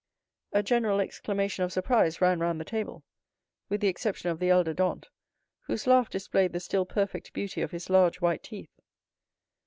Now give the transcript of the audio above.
A general exclamation of surprise ran round the table, with the exception of the elder Dantès, whose laugh displayed the still perfect beauty of his large white teeth.